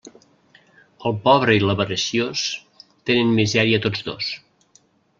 El pobre i l'avariciós, tenen misèria tots dos.